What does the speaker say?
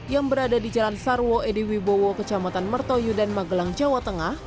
yang berada di jalan sarwo ediwi bowo kecamatan mertoyo dan magelang jawa tengah